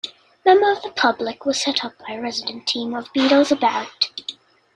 Members of the public were set up by a resident team of Beadle's About!